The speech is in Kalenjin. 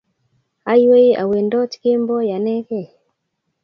Aiywei awendot kemboi anekey